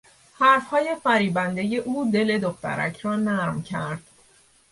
حرفهای فریبندهی او دل دخترک را نرم کرد.